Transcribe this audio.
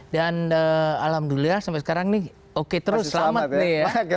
dan alhamdulillah sampai sekarang oke terus selamat nih ya